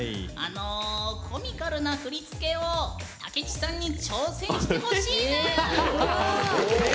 コミカルな振り付けを武知さんに挑戦してほしいぬーん。